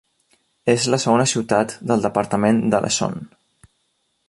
És la segona ciutat del departament de l'Essonne.